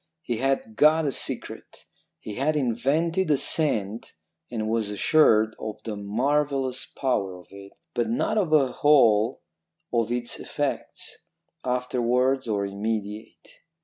He had got a secret. He had invented a scent and was assured of the marvellous power of it, but not of the whole of its effects, afterwards or immediate.